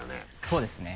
そうですね。